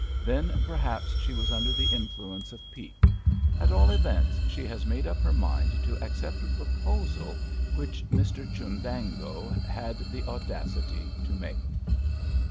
Then perhaps she was under the influence of pique. At all events, she has made up her mind to accept a proposal which Mr Chundango had the audacity to make."